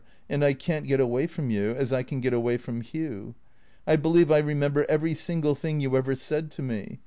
And I can't get away from you — as I can get away from Hugh. I believe I remember every single thing you ever said to me.